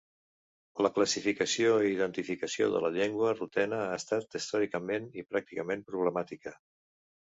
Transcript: La classificació i identificació de la llengua rutena ha estat històricament i políticament problemàtica.